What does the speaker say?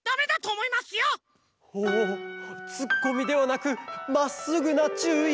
おおツッコミではなくまっすぐなちゅうい。